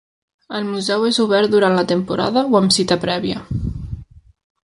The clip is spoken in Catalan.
El museu és obert durant la temporada o amb cita prèvia.